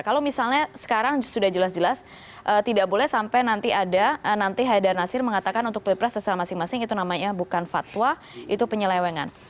kalau misalnya sekarang sudah jelas jelas tidak boleh sampai nanti ada nanti haidar nasir mengatakan untuk pilpres terserah masing masing itu namanya bukan fatwa itu penyelewengan